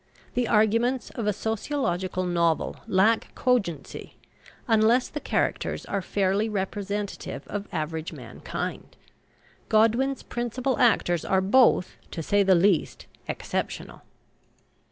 The arguments of a sociological novel lack cogency unless the characters are fairly representative of average mankind. Godwin's principal actors are both, to say the least, exceptional.